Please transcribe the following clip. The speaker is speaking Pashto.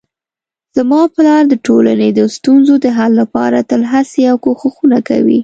زما پلار د ټولنې د ستونزو د حل لپاره تل هڅې او کوښښونه کوي